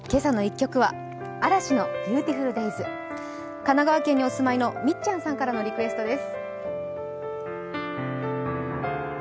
神奈川県にお住まいのみっちゃんさんからのリクエストです。